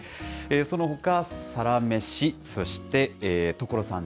そのほか、サラメシ、そして、所さん！